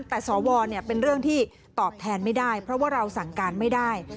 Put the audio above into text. แต่สวเป็นเรื่องที่ตอบแทนไม่ได้เพราะว่าเราสั่งการไม่ได้